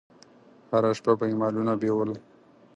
هره شپه به یې مالونه بېول.